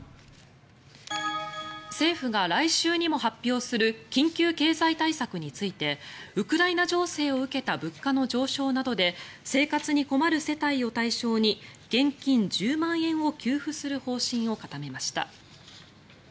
政府が来週にも発表する緊急経済対策についてウクライナ情勢を受けた物価の上昇などで生活に困る世帯を対象に現金１０万円を給付する方針を固めました。